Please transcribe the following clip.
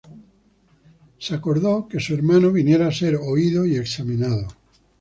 Se acordó que su hermano viniera a ser oído y examinado.